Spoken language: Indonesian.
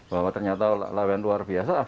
bahwa ternyata lawan luar biasa